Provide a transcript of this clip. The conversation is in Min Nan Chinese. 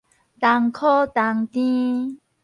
同苦同甜